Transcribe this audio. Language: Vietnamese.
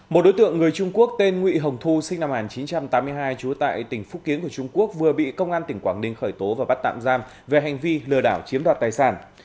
một đối tượng người trung quốc tên nguyễn hồng thu sinh năm một nghìn chín trăm tám mươi hai trú tại tỉnh phúc kiến của trung quốc vừa bị công an tỉnh quảng ninh khởi tố và bắt tạm giam về hành vi lừa đảo chiếm đoạt tài sản